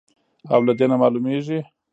او له دې نه معلومېږي،